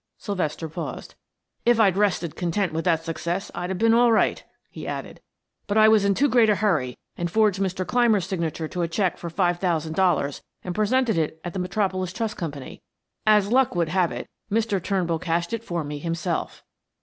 Sylvester paused. "If I'd rested content with that success I'd been all right," he added. "But I was in too great a hurry and forged Mr. Clymer's signature to a check for five thousand dollars and presented it at the Metropolis Trust Company. As luck would have it Mr. Turnbull cashed it for me himself."